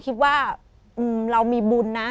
คิดว่าเรามีบุญนะ